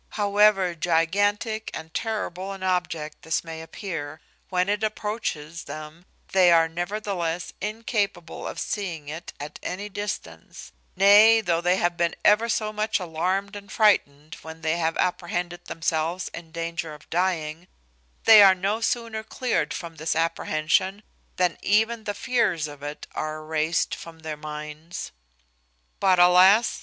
However gigantic and terrible an object this may appear when it approaches them, they are nevertheless incapable of seeing it at any distance; nay, though they have been ever so much alarmed and frightened when they have apprehended themselves in danger of dying, they are no sooner cleared from this apprehension than even the fears of it are erased from their minds. But, alas!